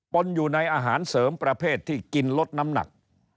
นอยู่ในอาหารเสริมประเภทที่กินลดน้ำหนัก